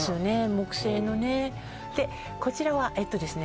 木製のねでこちらはえっとですね